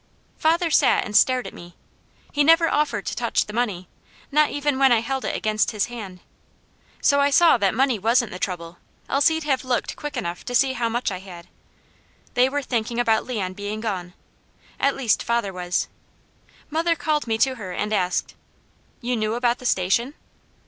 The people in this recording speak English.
Father sat and stared at me. He never offered to touch the money, not even when I held it against his hand. So I saw that money wasn't the trouble, else he'd have looked quick enough to see how much I had. They were thinking about Leon being gone, at least father was. Mother called me to her and asked: "You knew about the Station?"